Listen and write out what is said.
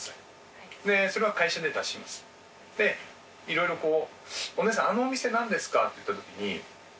色々こう。